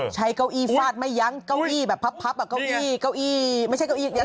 ใช้เก้าอี้ฟาดไม่ยั้งเก้าอี้แบบผับเก้าอี้เก้าอี้อีก